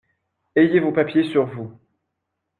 Ayez vos papiers sur vous.